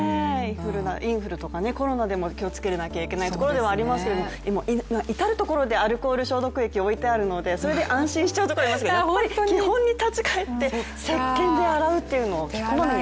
インフルとかコロナでも気をつけなければいけないところではありますけど至る所でアルコール消毒液が置いてあるのでそれで安心しちゃうところありますけど、やっぱり基本に立ち返ってせっけんで洗うって。